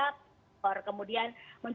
aplikasi peduli lindungi ini sangat membantu